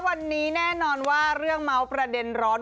วันนี้แน่นอนว่าเรื่องเมาส์ประเด็นร้อน